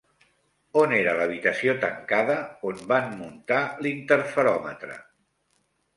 On era l'habitació tancada on van muntar l'interferòmetre?